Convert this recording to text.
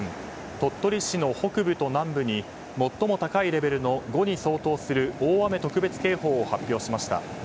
鳥取市の北部と南部に最も高いレベルの５に相当する大雨特別警報を発表しました。